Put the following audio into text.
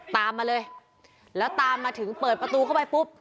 ตามมาเลยแล้วตามมาถึงเปิดประตูเข้าไปปุ๊บ